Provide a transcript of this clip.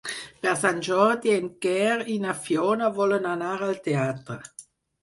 Per Sant Jordi en Quer i na Fiona volen anar al teatre.